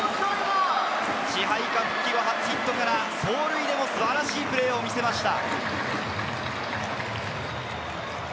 支配下復帰後、初ヒットから走塁でも素晴らしいプレーを見せました！